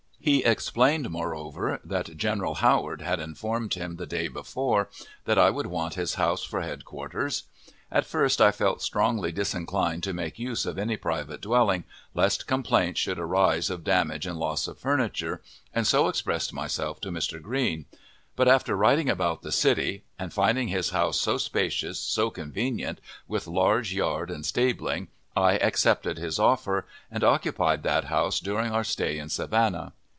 He explained, moreover, that General Howard had informed him, the day before, that I would want his house for headquarters. At first I felt strongly disinclined to make use of any private dwelling, lest complaints should arise of damage and lose of furniture, and so expressed myself to Mr. Green; but, after riding about the city, and finding his house so spacious, so convenient, with large yard and stabling, I accepted his offer, and occupied that house during our stay in Savannah.